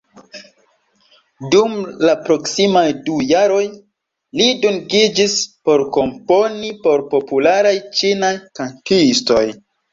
Dum la proksimaj du jaroj, li dungiĝis por komponi por popularaj ĉinaj kantistoj.